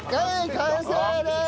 完成です。